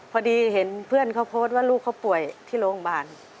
พอดีเห็นเพื่อนเขาโพสต์ว่าลูกเขาป่วยที่โรงพยาบาล